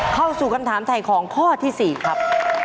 เข้าสู่คำถามถ่ายของข้อที่๔ครับ